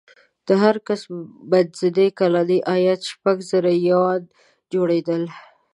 د هر کس منځنی کلنی عاید شپږ زره یوان جوړېدل.